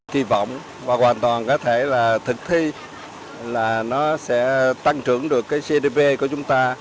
kỳ vọng và hoàn toàn có thể là thực thi là nó sẽ tăng trưởng được cái cdb của chúng ta